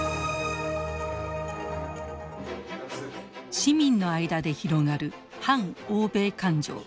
市民の間で広がる反欧米感情。